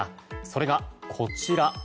それがこちら。